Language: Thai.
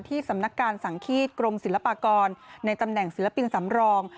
สำนักการสังฆีตกรมศิลปากรในตำแหน่งศิลปินสำรอง